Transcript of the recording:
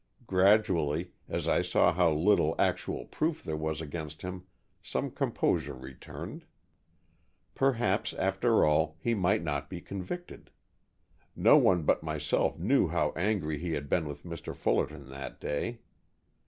Gradually, as I saw how little actual proof there was against him, some composure returned. Perhaps, after all, he might not be convicted. No one but myself knew how angry he had been with Mr. Fullerton that day.